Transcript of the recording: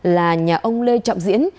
là nhà ông lê trọng diễn